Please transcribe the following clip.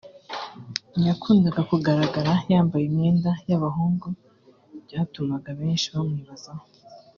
yakundaga kugaragara yambaye imyenda y’abahungu byatumaga benshi bamwibazaho